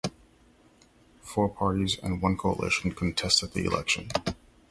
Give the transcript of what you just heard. Four parties and one coalition contested the election.